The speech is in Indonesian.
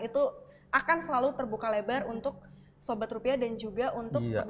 itu akan selalu terbuka lebar untuk sobat rupiah dan juga untuk